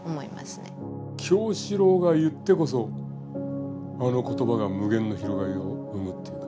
キヨシローが言ってこそあの言葉が無限の広がりを生むというか。